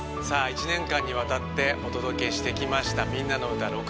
さあ一年間にわたってお届けしてきました「みんなのうた６０」